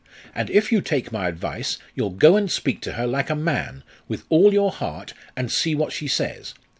And if you take my advice, you'll go and speak to her like a man, with all your heart, and see what she says.